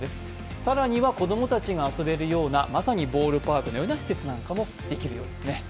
更には子供たちが遊べるような、まさにボールパークのような施設もできるようです。